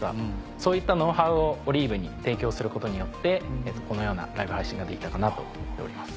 そういったノウハウをＯＬＩＶＥに提供することによってこのようなライブ配信ができたかなと思っております。